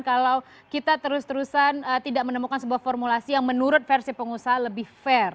kalau kita terus terusan tidak menemukan sebuah formulasi yang menurut versi pengusaha lebih fair